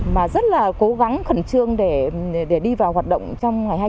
mà rất là cố gắng khẩn trương để đi vào hoạt động